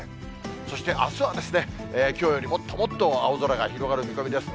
そしてあすは、きょうよりもっともっと青空が広がる見込みです。